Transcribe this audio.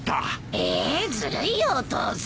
えーっずるいよお父さん。